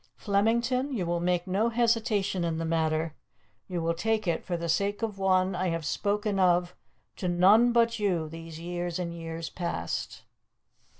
"Flemington, you will make no hesitation in the matter. You will take it for the sake of one I have spoken of to none but you, these years and years past."